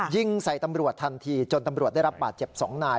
ยิงใส่ตำรวจทันทีจนตำรวจได้รับบาดเจ็บ๒นาย